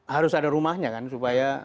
harus ada rumahnya kan supaya